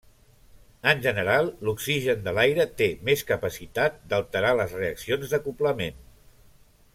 En general, l'oxigen de l'aire té més capacitat d'alterar les reaccions d'acoblament.